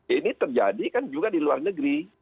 ini terjadi kan juga di luar negeri